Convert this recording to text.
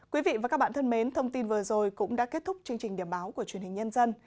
quý vị và các bạn thân mến thông tin vừa rồi cũng đã kết thúc chương trình điểm báo của truyền hình nhân dân